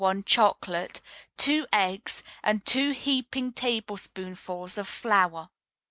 1 Chocolate, two eggs, and two heaping tablespoonfuls of flour.